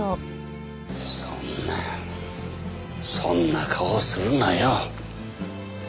そんなそんな顔するなよ。